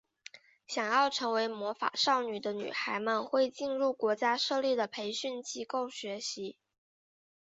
想要成为魔法少女的女孩们会进入国家设立的培训机构学习。